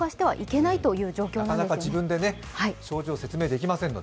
なかなか自分で症状を説明できませんので。